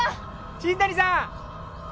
新谷さん！